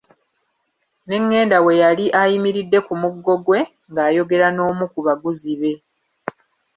Ne ngenda we yali ayimiridde ku muggo gwe, ng'ayogera n'omu ku baguzi be.